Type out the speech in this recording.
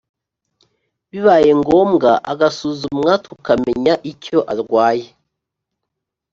bibaye ngombwa agasuzumwa tukamenya icyo andwaye